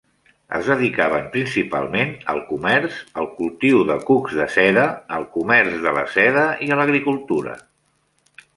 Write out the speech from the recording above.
Es dedicaven principalment al comerç, al cultiu de cucs de seda, al comerç de la seda i a l'agricultura.